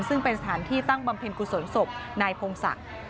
ซึ่งเป็นสถานที่ตั้งบำเพ็ญกุศลศพนายพงศักดิ์